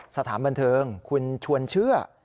สถานบันเทิงคุณชวนเชื่อ